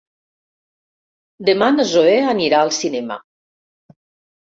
Demà na Zoè anirà al cinema.